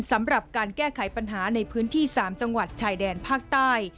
สำหรับการแก้ไขปัญหาในพื้นที่๓จังหวัดชายแดนภาคใต้